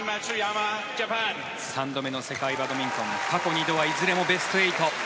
３度目の世界バドミントン過去２度はいずれもベスト８。